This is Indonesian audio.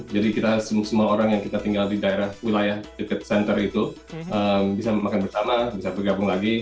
jadi kita semua orang yang tinggal di daerah wilayah dekat center itu bisa makan bersama bisa bergabung lagi